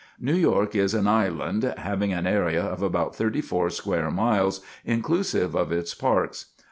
New York is an island having an area of about thirty four square miles, inclusive of its parks.